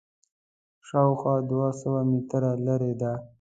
شاوخوا دوه سوه متره لرې ده.